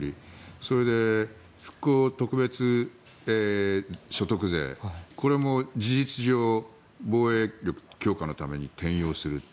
それで復興特別所得税これも事実上防衛力強化のために転用すると。